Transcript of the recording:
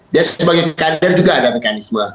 dia sebagai kader juga ada mekanisme